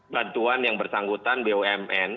bantuan yang bersangkutan bumn